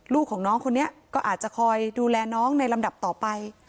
ลูกของน้องคนนี้ก็อาจจะคอยดูแลน้องในลำดับต่อไป